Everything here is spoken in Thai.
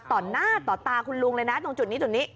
ต่อหน้าต่อตาคุณลุงเลยนะตรงจุดนี้จุดนี้